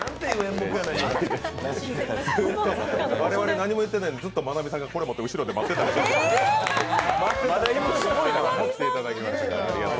我々、何も言ってないのにずっと麻奈美さんがこれ持って後ろで待ってました。